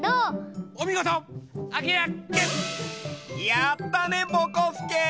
やったねぼこすけ！